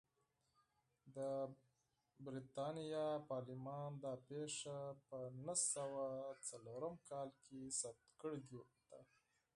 د برېټانیا پارلمان دا پېښه په نهه سوه څلورم کال کې ثبت کړې ده.